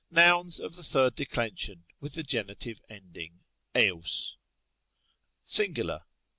Nouns of the third declension with the genitive end ing εῶς. Singular.